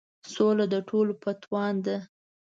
سوله د ټولو په تاوان ده.